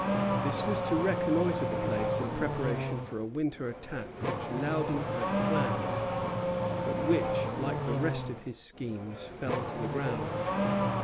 This was to reconnoitre the place in preparation for a winter attack which Loudon had planned, but which, like the rest of his schemes, fell to the ground.